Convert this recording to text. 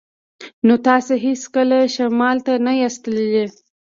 نو تاسې هیڅکله شمال ته نه یاست تللي